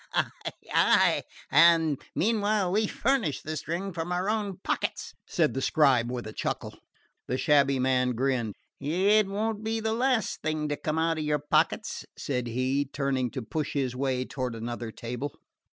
"Ay, ay; and meanwhile we furnish the string from our own pockets," said the scribe with a chuckle. The shabby man grinned. "It won't be the last thing to come out of your pockets," said he, turning to push his way toward another table.